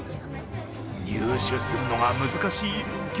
入手するのが難しい激